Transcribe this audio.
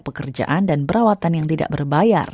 pekerjaan dan perawatan yang tidak berbayar